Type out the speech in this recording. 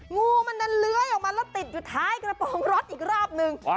งูมันดันเลื้อยออกมาแล้วติดอยู่ท้ายกระโปรงรถอีกรอบนึง